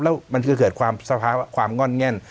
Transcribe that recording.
แล้วมันก็เกิดความซะพ้าพอความง่อเงียน